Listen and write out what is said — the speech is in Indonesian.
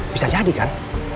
bisa jadi kan